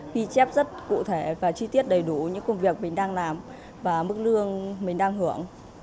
ghi chép rất cụ thể và chi tiết đầy đủ những công việc mình đang làm và mức lương mình đang hưởng